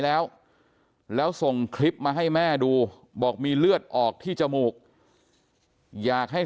แล้วแล้วส่งคลิปมาให้แม่ดูบอกมีเลือดออกที่จมูกอยากให้